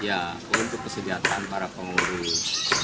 ya untuk kesejahteraan para pengurus